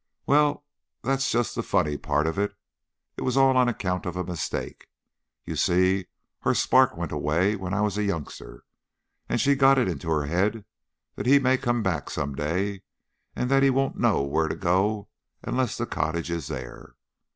"Well, that's just the funny part of it. It's all on account of a mistake. You see her spark went away when I was a youngster, and she's got it into her head that he may come back some day, and that he won't know where to go unless the cottage is there.